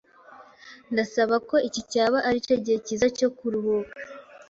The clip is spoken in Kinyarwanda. Ndasaba ko iki cyaba ari igihe cyiza cyo kuruhuka.